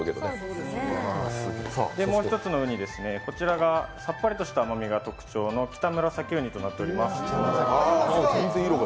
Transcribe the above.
もう一つのうにはさっぱりとした甘さが特徴のキタムラサキウニとなっております。